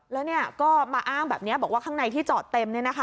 แล้วก็มาอ้างแบบนี้บอกว่าข้างในที่จอดเต็ม